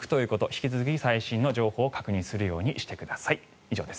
引き続き最新の情報を確認するようにしてください。